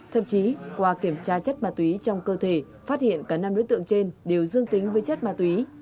thậm chí qua kiểm tra chất ma túy trong cơ thể phát hiện cả năm đối tượng trên đều dương tính với chất ma túy